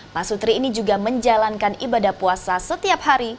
masutri ini juga menjalankan ibadah puasa setiap hari